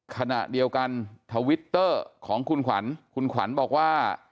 ขณะเดียวกันทวิตเตอร์ของคุณขวัญคุณขวัญบอกว่า